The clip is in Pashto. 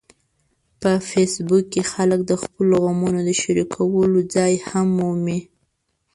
په فېسبوک کې خلک د خپلو غمونو د شریکولو ځای هم مومي